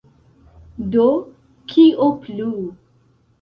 Do, kio plu?